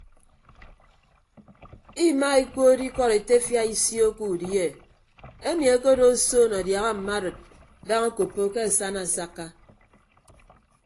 Imaa ekood ikọd etefia isio ke udi e emi akedo osoon adiaha mma arid daña okoppo ke asana asakka.